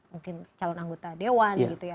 mungkin calon anggota dewan gitu ya